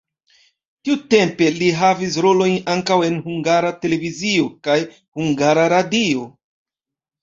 Tiutempe li havis rolojn ankaŭ en Hungara Televizio kaj Hungara Radio.